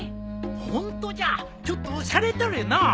ホントじゃちょっとしゃれとるのう。